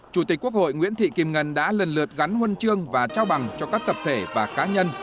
chủ tịch quốc hội nguyễn thị kim ngân đã lần lượt gắn huân chương và trao bằng cho các tập thể và cá nhân